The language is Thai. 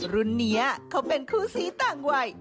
รุ่นนี้เขาเป็นคู่สีต่างวัย